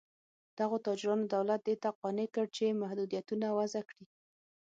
دغو تاجرانو دولت دې ته قانع کړ چې محدودیتونه وضع کړي.